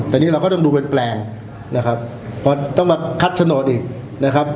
แต่นี่เราก็ต้องดูเป็นแปลงนะครับเพราะต้องมาคัดโฉนดอีกนะครับ